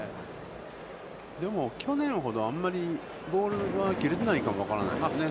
でも去年ほど、あんまりボールは切れてないかもわからないですね。